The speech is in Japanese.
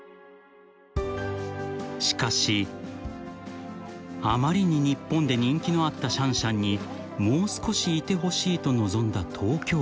［しかしあまりに日本で人気のあったシャンシャンにもう少しいてほしいと望んだ東京都は］